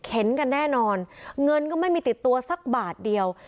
เห็นกันแน่นอนเงินก็ไม่มีติดตัวสักบาทเดียว